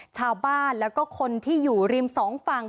ชาวบ้านแล้วก็คนที่อยู่ริมสองฝั่ง